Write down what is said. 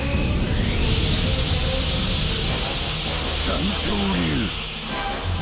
三刀流。